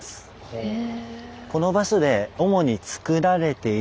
へえ。